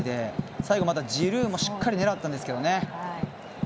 最後また、ジルーもしっかり狙ったんですけどね。